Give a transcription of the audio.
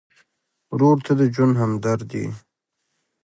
ورور ته د ژوند همدرد یې.